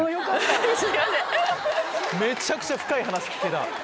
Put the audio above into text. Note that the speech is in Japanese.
めちゃくちゃ深い話聞けた。